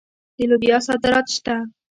د لوبیا صادرات شته.